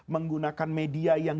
menggunakan media yang